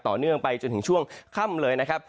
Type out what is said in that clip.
ต่อเนื่องไปจนถึงช่วงค่ำเลยนะครับ